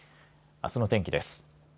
あすの天気です。